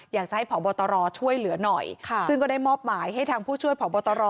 อยากจะให้ผอบตรช่วยเหลือหน่อยซึ่งก็ได้มอบหมายให้ทางผู้ช่วยผอบตร